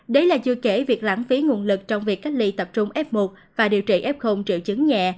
đấy là chưa kể việc lãng phí nguồn lực trong việc cách ly tập trung f một và điều trị f triệu chứng nhẹ